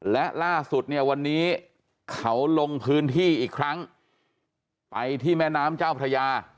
และล่าสุดเนี่ยวันนี้เขาลงพื้นที่อีกครั้งไปที่แม่น้ำเจ้าพระยา